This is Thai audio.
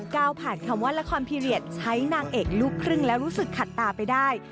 ก้าวผ่านคำว่าละครพีเรียสใช้นางเอกลูกครึ่งแล้วรู้สึกขัดตาไปได้